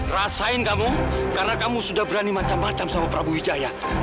rasain kamu karena kamu sudah berani macam macam sama prabu wijaya